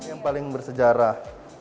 ini yang paling bersejarah